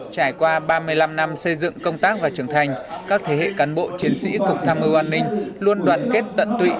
trải qua ba mươi năm năm xây dựng công tác và trưởng thành các thế hệ cán bộ chiến sĩ cục tham mưu an ninh luôn đoàn kết tận tụy